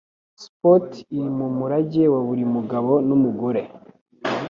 Sport iri mumurage wa buri mugabo numugore